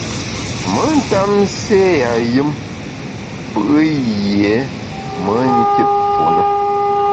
Me ntap nségha yùm fù’ yié me nkit fu ne.